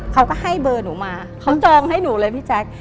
เขาก็ให้เบอร์หนูมาเขาจองให้หนูเลยพี่แจ๊ค